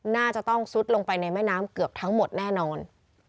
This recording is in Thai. น่าจะต้องซุดลงไปในแม่น้ำเกือบทั้งหมดแน่นอน